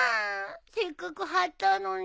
せっかく貼ったのに。